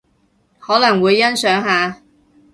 可能會欣賞下